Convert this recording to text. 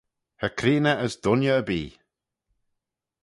Cho creeney as dooinney erbee.